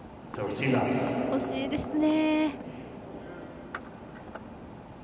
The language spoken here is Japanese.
惜しいですね。